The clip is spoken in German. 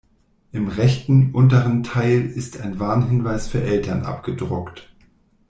Im rechten, unteren Teil ist ein Warnhinweis für Eltern abgedruckt.